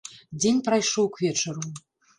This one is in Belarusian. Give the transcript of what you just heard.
Дзень прайшоў к вечару.